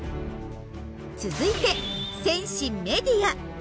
続いて戦士メディア。